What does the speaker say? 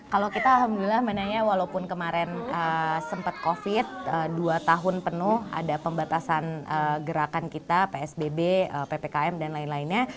kalau kita alhamdulillah menanya walaupun kemarin sempat covid dua tahun penuh ada pembatasan gerakan kita psbb ppkm dan lain lainnya